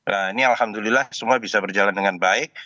nah ini alhamdulillah semua bisa berjalan dengan baik